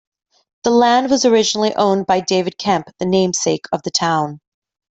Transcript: The land was originally owned by David Kemp, the namesake of the town.